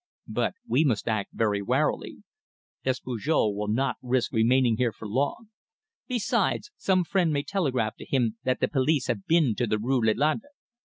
"But we must act very warily. Despujol will not risk remaining here for long. Besides, some friend may telegraph to him that the police have been to the Rue de Lalande!"